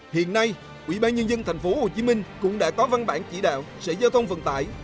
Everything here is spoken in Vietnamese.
hiện nay ủy ban nhân dân thành phố hồ chí minh cũng đã có văn bản chỉ đạo sẽ giao thông vận tải